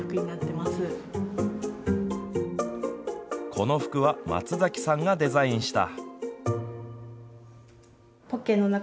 この服は松崎さんがデザインした。